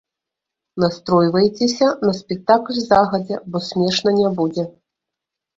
Настройвайцеся на спектакль загадзя, бо смешна не будзе.